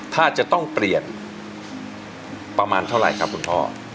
ถ้าจะต้องเปลี่ยนประมาณเท่าไหร่ครับคุณพ่อ